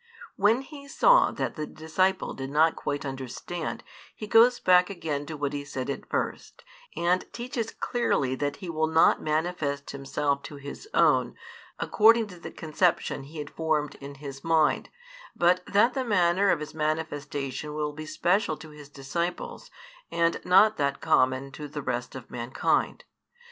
When He saw that the disciple did not quite understand, He goes back again to what He said at first, and teaches clearly that He will not manifest Himself to His own, according to the conception he had formed in his mind, but that the manner of His manifestation will be special to His disciples, and not that common to the rest of mankind.